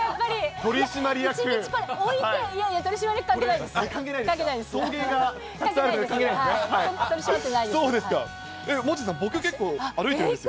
取締役関係ないです。